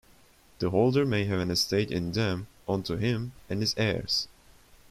The holder may have an estate in them, unto him and his heirs.